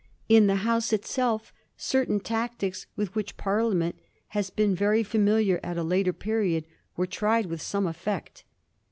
In the House itself certain tactics, with which Parliament has been very familiar at a later period, were tried with some effect.